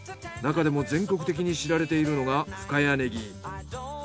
なかでも全国的に知られているのが深谷ねぎ。